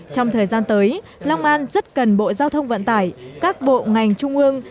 trong thời gian tới long an rất cần bộ giao thông vận tải các bộ ngành trung ương